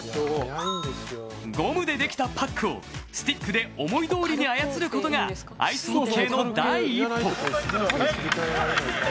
ゴムでできたパックをスティックで思いどおりに操ることがアイスホッケーの第一歩。